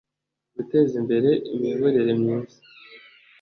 guteza imbere imiyoborere myiza